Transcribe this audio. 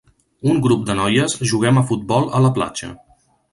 Un grup de noies juguem a futbol a la platja.